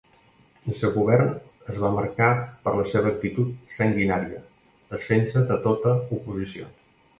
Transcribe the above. El seu govern es va marcar per la seva actitud sanguinària, desfent-se de tota oposició.